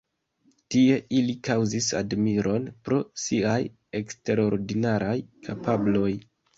Tie, ili kaŭzis admiron pro siaj eksterordinaraj kapabloj.